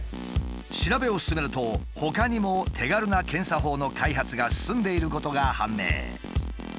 調べを進めるとほかにも手軽な検査法の開発が進んでいることが判明。